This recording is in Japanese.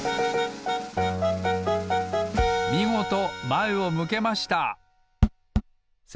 みごとまえを向けました！